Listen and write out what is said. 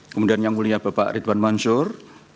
kemudian yang mulia bapak ridwan mansur